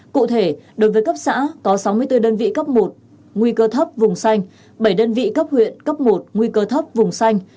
cụ thể đối với cấp xã có sáu mươi bốn đơn vị cấp một nguy cơ thấp vùng xanh bảy đơn vị cấp huyện cấp một nguy cơ thấp vùng xanh